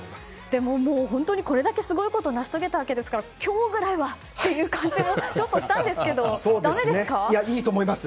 でも、これぐらいすごいことを成し遂げたわけですから今日ぐらいはという感じもちょっとしたんですけどいいと思います。